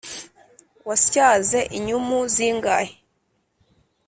wasyaze inyumu zingahe